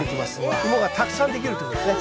イモがたくさんできるということですね。